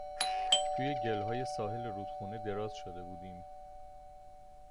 توی گِلهای ساحل رودخونه دراز شده بودیم